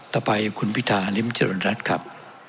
ต่อไปคุณพิธาริมเจริญรัฐครับ